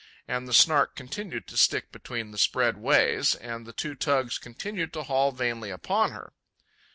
And the Snark continued to stick between the spread ways, and the two tugs continued to haul vainly upon her.